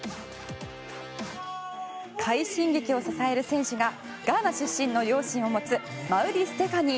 快進撃を支える選手がガーナ出身の両親を持つ馬瓜ステファニー。